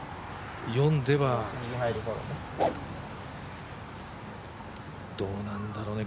４ではどうなんだろうね